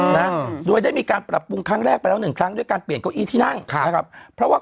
นะโดยได้มีการปรับปรุงครั้งแรกไปแล้วหนึ่งครั้งด้วยการเปลี่ยนเก้าอี้ที่นั่งค่ะนะครับเพราะว่า